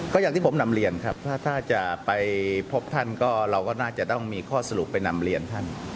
ก็อย่างที่ผมนำเรียนครับถ้าจะไปพบท่านก็เราก็น่าจะต้องมีข้อสรุปไปนำเรียนท่าน